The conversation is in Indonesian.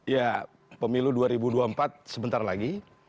ya pemilu dua ribu dua puluh empat sebentar lagi